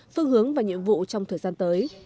phương hướng và nhiệm vụ trong thời gian tới